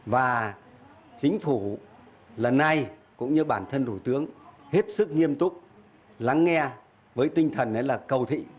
và chính phủ lần này cũng như bản thân thủ tướng hết sức nghiêm túc lắng nghe với tinh thần là cầu thị